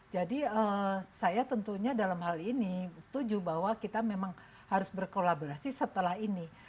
jadi saya tentunya dalam hal ini setuju bahwa kita memang harus berkolaborasi setelah ini